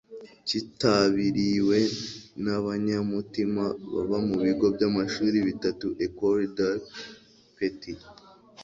cyitabiriwe n'abanyamutima baba mu bigo by'amashuri bitatu ecole d'arts, petit